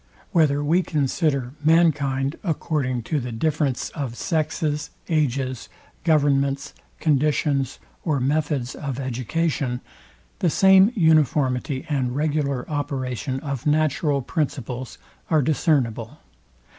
Whether we consider mankind according to the difference of sexes, ages, governments, conditions, or methods of education; the same uniformity and regular operation of natural principles are discernible.